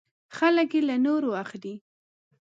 خلک یې له نورو اخلي .